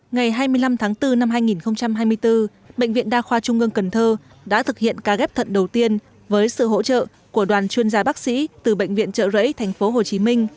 ngày hai mươi năm tháng bốn năm hai nghìn hai mươi bốn bệnh viện đa khoa trung ương cần thơ đã thực hiện ca ghép thận đầu tiên với sự hỗ trợ của đoàn chuyên gia bác sĩ từ bệnh viện trợ rẫy tp hcm